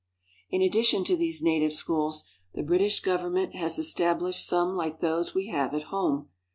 In addition to these native schools the British govern ment has established some like those we have at home.